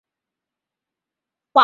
经营一间小店